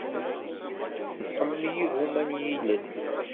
Tḥemmel igumma n yilel.